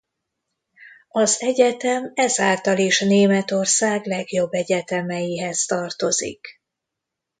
Az egyetem ezáltal is Németország legjobb egyetemeihez tartozik.